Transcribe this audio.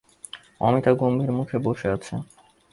অমিতা গম্ভীর মুখে বসে আছে।